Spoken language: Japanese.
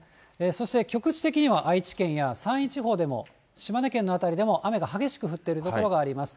そして、局地的には愛知県や山陰地方でも、島根県の辺りでも雨が激しく降っている所があります。